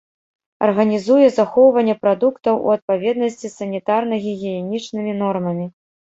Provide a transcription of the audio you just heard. Арганізуе захоўванне прадуктаў у адпаведнасці з санітарна-гігіенічнымі нормамі.